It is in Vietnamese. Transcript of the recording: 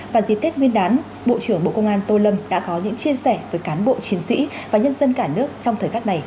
và dịp tết nguyên đán bộ trưởng bộ công an tô lâm đã có những chia sẻ với cán bộ chiến sĩ và nhân dân cả nước trong thời khắc này